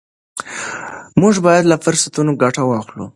موږ باید له فرصتونو ګټه واخلو.